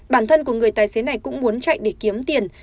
bản thân của người tài xế này cũng muốn chạy để kiếm tiền